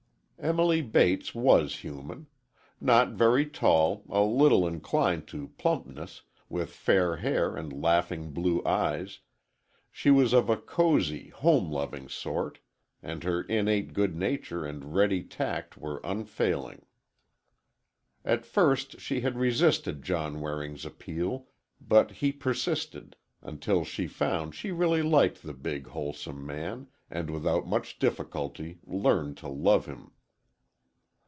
Emily Bates was human. Not very tall, a little inclined to plumpness, with fair hair and laughing blue eyes, she was of a cozy, home loving sort, and her innate good nature and ready tact were unfailing. At first she had resisted John Waring's appeal, but he persisted, until she found she really liked the big, wholesome man, and without much difficulty learned to love him.